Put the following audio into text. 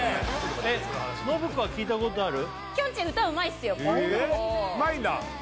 信子は聴いたことある？